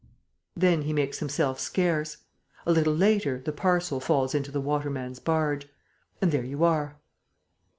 Then he makes himself scarce. A little later, the parcel falls into the waterman's barge. And there you are.